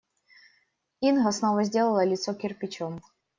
Инга снова сделала лицо кирпичом.